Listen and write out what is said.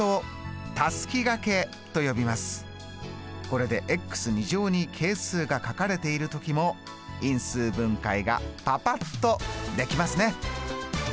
これでに係数が書かれている時も因数分解がパパっとできますね。